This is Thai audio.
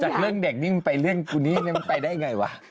จากเรื่องเด็กนี้ไปเรื่องกูนี้ไปได้ไงวะ